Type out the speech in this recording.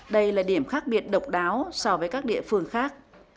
đây là điểm khác biệt độc đáo so với các địa phương khác